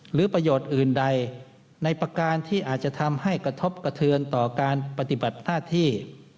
หรือประโยชน์อื่นใดในประการที่อาจจะทำให้กระทบกระเทือนต่อการปฏิบัติหน้าที่